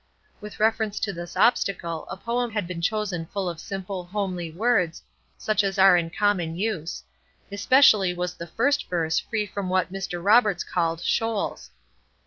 With reference to this obstacle a poem had been chosen full of simple, homely words, such as are in common use; especially was the first verse free from what Mr. Roberts called "shoals."